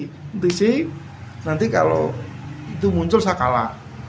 kompetisi nanti kalau itu muncul sakala